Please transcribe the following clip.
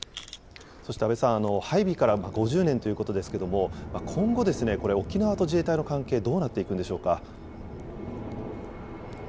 そして阿部さん、配備から５０年ということですけれども、今後、これ、沖縄と自衛隊の関係どうなっていくんでしょうか。